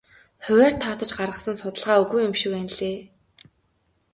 Хувиар тооцож гаргасан судалгаа үгүй юм шиг байна лээ.